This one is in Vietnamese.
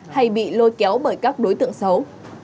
hay bị lôi kéo bởi các đối tượng xấu